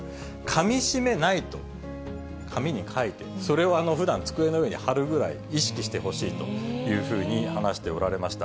かみしめないと紙に書いて、それをふだん、机の上に貼るぐらい意識してほしいというふうに話しておられました。